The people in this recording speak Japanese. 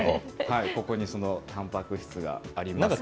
ここにそのたんぱく質がありますけれども。